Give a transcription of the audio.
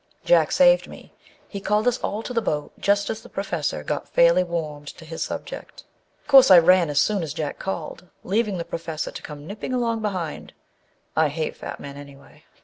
Jack saved me: he called us all to the boat just as the Professor got fairly warmed to his sub ject. Of course, I ran as soon as Jack called, leaving the Professor to come nipping along behind â I hate fat men, anyway.